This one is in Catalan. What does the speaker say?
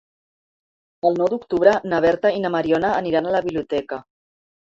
El nou d'octubre na Berta i na Mariona aniran a la biblioteca.